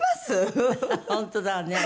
本当だわね。